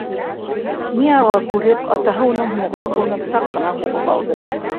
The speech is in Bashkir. Ни арала күреп, атаһы уның һонолған ҡулына саҡ ҡына һуғып алды: